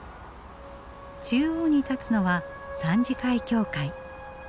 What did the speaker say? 中央に立つのは参事会教会。